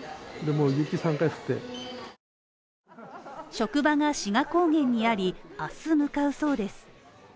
職場が志賀高原にあり、明日向かうそうです。